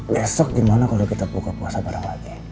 besok gimana kalau kita buka puasa bareng lagi